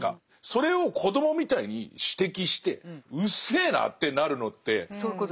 それを子どもみたいに指摘してうっせえなってなるのってすごいですよね。